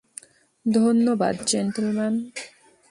ধন্যবাদ, জেন্টলম্যান।